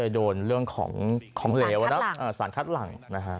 โดนเรื่องของเหลวนะสารคัดหลังนะฮะ